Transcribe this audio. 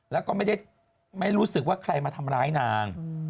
แล้วก็ไม่ได้ไม่รู้สึกว่าใครมาทำร้ายนาง